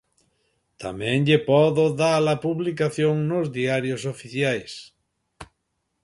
Tamén lle podo dar a publicación nos diarios oficiais.